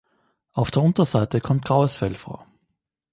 Auf der Unterseite kommt graues Fell vor.